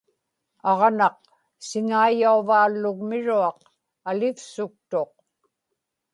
aġnaq siŋaiyauvaallugmiruaq alivsuktuq